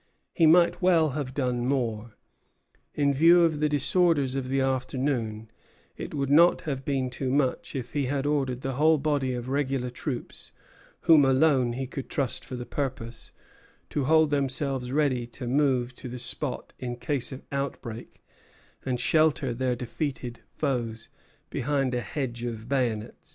He might well have done more. In view of the disorders of the afternoon, it would not have been too much if he had ordered the whole body of regular troops, whom alone he could trust for the purpose, to hold themselves ready to move to the spot in case of outbreak, and shelter their defeated foes behind a hedge of bayonets.